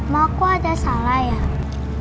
mau aku ada salah yang ya